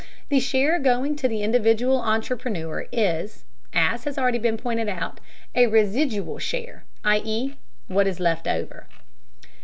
The share going to the individual entrepreneur is, as has already been pointed out, a residual share, i.e. what is left over.